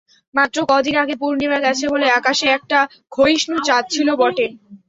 মাত্র কদিন আগে পূর্ণিমা গেছে বলে আকাশে একটা ক্ষয়িষ্ণু চাঁদ ছিল বটে।